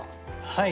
はい。